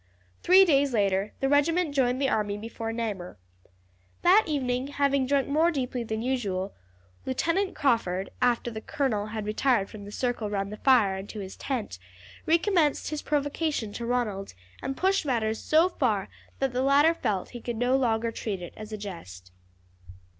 Three days later the regiment joined the army before Namur. That evening, having drunk more deeply than usual, Lieutenant Crawford, after the colonel had retired from the circle round the fire and to his tent, recommenced his provocation to Ronald, and pushed matters so far that the latter felt that he could no longer treat it as a jest.